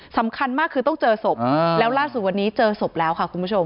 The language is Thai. สำคัญมากคือต้องเจอศพแล้วล่าสุดวันนี้เจอศพแล้วค่ะคุณผู้ชม